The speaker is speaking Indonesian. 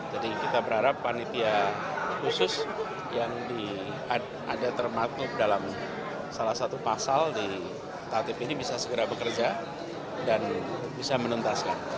jadi kita berharap panitia khusus yang ada termatuh dalam salah satu pasal di tatib ini bisa segera bekerja dan bisa menuntaskan